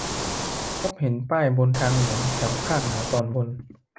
พบเห็นป้ายบนทางหลวง แถวภาคเหนือตอนบน